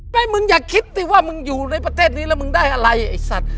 มึงอย่าคิดสิว่ามึงอยู่ในประเทศนี้แล้วมึงได้อะไรไอ้สัตว์